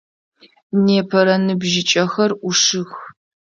Непэрэ ныбжьыкӏэхзр ӏушых.